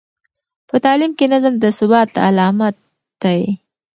په تعلیم کې نظم د ثبات علامت دی.